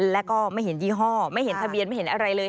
แล้วก็ไม่เห็นยี่ห้อไม่เห็นทะเบียนไม่เห็นอะไรเลย